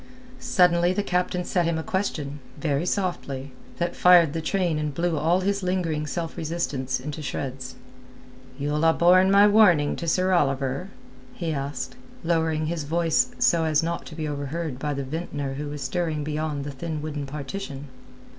Suddenly the captain set him a question, very softly, that fired the train and blew all his lingering self resistance into shreds. "You'll ha' borne my warning to Sir Oliver?" he asked, lowering his voice so as not to be overheard by the vintner who was stirring beyond the thin wooden partition.